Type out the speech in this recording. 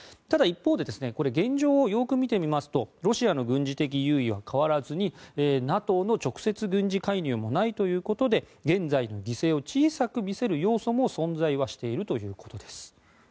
ただ、一方で現状をよく見てみますとロシアの軍事的優位は変わらずにＮＡＴＯの直接軍事介入もないということで現在の犠牲を小さく見せる要素も存在はしているということです。